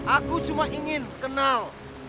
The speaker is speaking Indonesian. aku cuma ingin kenal